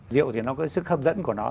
rượu thì nó có sức hấp dẫn của nó